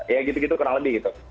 ya gitu gitu kurang lebih gitu